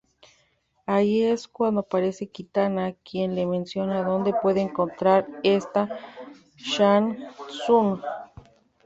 Allí es cuando aparece Kitana quien les menciona donde puede encontrar esta Shang Tsung.